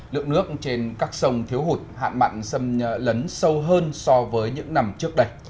lượng nước trên các sông thiếu hụt hạn mặn xâm lấn sâu hơn so với những năm trước đây